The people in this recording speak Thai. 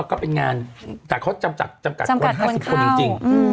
แล้วก็เป็นงานแต่เขาจำกัดคน๕๐คนจริง